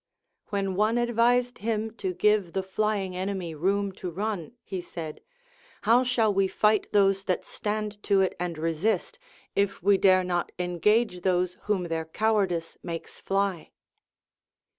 AVhen one advised him to give the flying enemy room to run, he said, How shall we fight those that stand to it and resist, if Ave dare not engage those whom their cowardice makes fly?